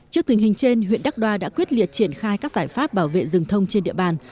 trước tình hình trên huyện đắk đoa đã quyết liệt triển khai các giải pháp bảo vệ rừng thông trên địa bàn